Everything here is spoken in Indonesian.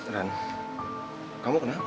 ren kamu kenapa